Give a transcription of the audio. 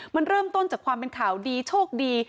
มันเริ่มต้นจากความเป็นข่าวดีโชคดี